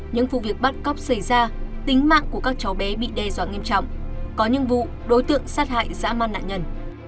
những vụ việc bắt cóc xảy ra tính mạng của các cháu bé bị đe dọa nghiêm trọng có những vụ đối tượng sát hại dã man nạn nhân